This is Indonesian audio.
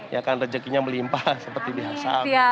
ya kan rezekinya melimpah seperti biasa